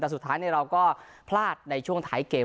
แต่สุดท้ายเราก็พลาดในช่วงท้ายเกม